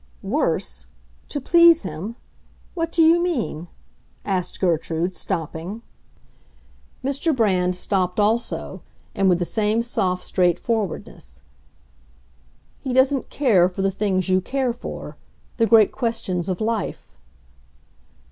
"Worse—to please him? What do you mean?" asked Gertrude, stopping. Mr. Brand stopped also, and with the same soft straight forwardness, "He doesn't care for the things you care for—the great questions of life."